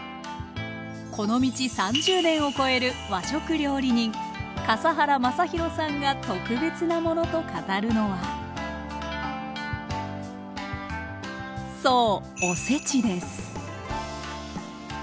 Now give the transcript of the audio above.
この道３０年を超える和食料理人笠原将弘さんが「特別なもの」と語るのはそう！